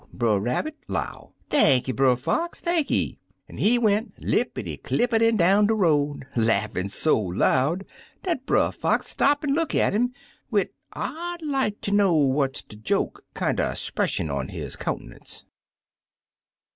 Brer Rabbit 'low, 'Thanky, Brer Fox, thanky!' an' he went lippity clippitin' down de road, laughin' so loud dat Brer Fox stop an' look at 'im, wid *I'd like ter know what's de joke' kinder 'spression on his coun'nance."